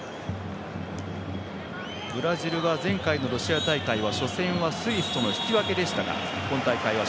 ブラジルは前回のロシア大会は初戦はスイスと引き分けでした。